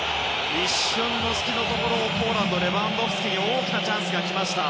一瞬の隙のところをポーランドのレバンドフスキに大きなチャンスが来ました。